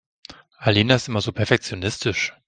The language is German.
Alina ist immer so perfektionistisch.